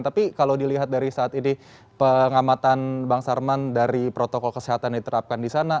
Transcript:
tapi kalau dilihat dari saat ini pengamatan bang sarman dari protokol kesehatan diterapkan di sana